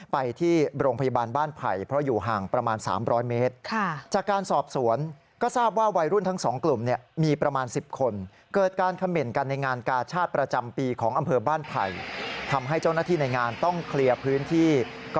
ไปที่โรงพยาบาลบ้านไผ่เพราะอยู่ห่างประมาณ๓๐๐เมตร